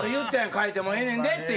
替えてもええねんでって。